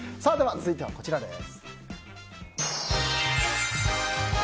続いてはこちらです。